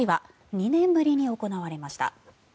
２年ぶりに行われました。